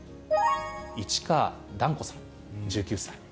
市川團子さん１９歳。